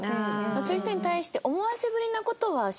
そういう人に対して。